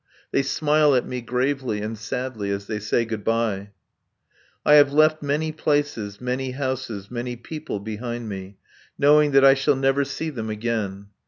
They smile at me gravely and sadly as they say good bye. I have left many places, many houses, many people behind me, knowing that I shall never see them again.